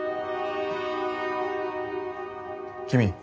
君。